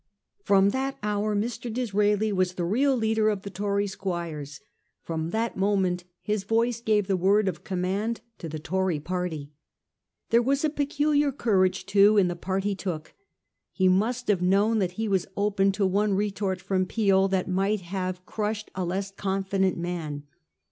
From that hour Mr. Disraeli was the real leader of the Tory squires ; from that moment his voice gave the word of command to the Tory party. There was peculiar courage too in the part he took. He must have known that he was open to one retort from Peel that might have crushed a less confident man.